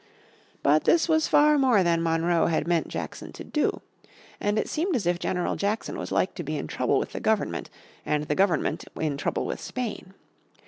But this was far more than Monroe had meant Jackson to do. And it seemed as if General Jackson was like to be in trouble with the Government, and the Government in trouble with Spain.